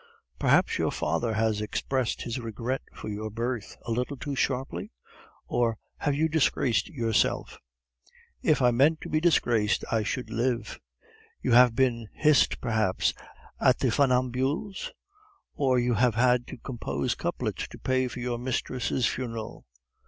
"Perhaps your father has expressed his regret for your birth a little too sharply? Or have you disgraced yourself?" "If I meant to be disgraced, I should live." "You have been hissed perhaps at the Funambules? Or you have had to compose couplets to pay for your mistress' funeral?